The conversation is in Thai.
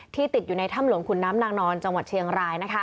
ติดอยู่ในถ้ำหลวงขุนน้ำนางนอนจังหวัดเชียงราย